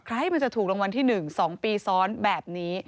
ใครมันจะถูกรางวัลที่๑๒ปีซ้อนแบบนี้